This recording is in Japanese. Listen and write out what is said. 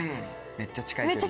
めっちゃ近い。